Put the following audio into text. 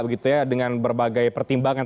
begitu ya dengan berbagai pertimbangan